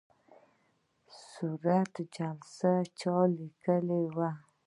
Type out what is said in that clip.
صورت جلسه چا لیکلې وي؟